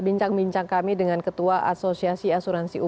bukan semua orangnya yang datang ke perusahaan asuransi